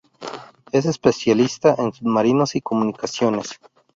Es especialista en Submarinos y Comunicaciones.